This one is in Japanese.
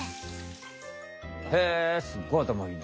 へえすっごいあたまいいね。